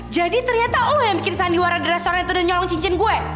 jadi ternyata lo yang bikin sandiwara di restoran itu dan nyolong cincin gue